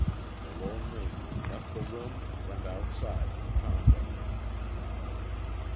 The Lone Ranger left the room and went outside with Tonto.